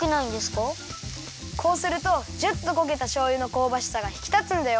こうするとジュっとこげたしょうゆのこうばしさがひきたつんだよ。